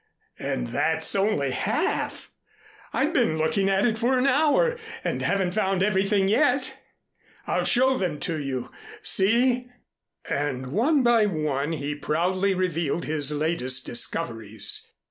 And that's only half. I've been looking at it for an hour and haven't found everything yet. I'll show them to you see " And one by one he proudly revealed his latest discoveries.